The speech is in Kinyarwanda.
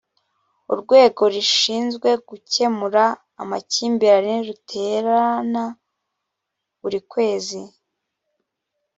urwego rushinzwe gukemura amakimbirane ruterana buri kwezi